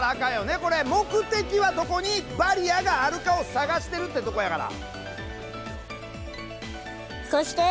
目的はどこにバリアがあるかを探してるってとこやから。